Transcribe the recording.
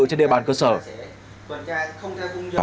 trên địa bàn cơ sở